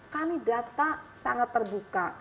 kami data sangat terbuka